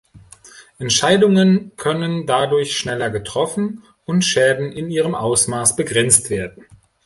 Entscheidungen können dadurch schneller getroffen und Schäden in ihrem Ausmaß begrenzt werden.